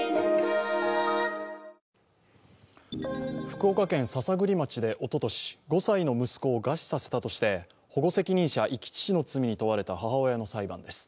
福岡県篠栗町でおととし、５歳の息子を餓死させたとして保護責任者遺棄致死の罪に問われた母親の裁判です。